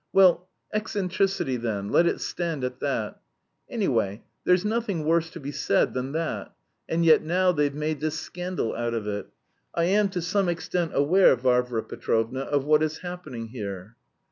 Well, eccentricity then, let it stand at that. Anyway, there's nothing worse to be said than that; and yet now they've made this scandal out of it. ... I am to some extent aware, Varvara Petrovna, of what is happening here."